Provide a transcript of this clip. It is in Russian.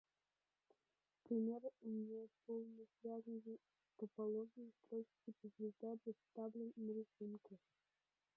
Пример неполносвязной топологии устройств типа «звезда» представлен на рисунке.